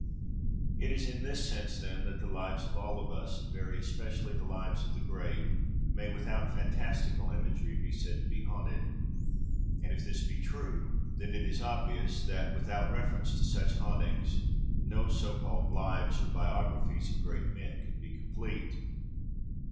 It is in this sense, then, that the lives of all of us, and very especially the lives of the great, may, without fantastical imagery, be said to be haunted. And if this be true, then it is obvious that, without reference to such hauntings, no so called 'lives' or biographies of great men can be complete.